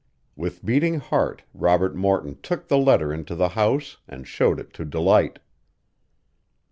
With beating heart Robert Morton took the letter into the house and showed it to Delight.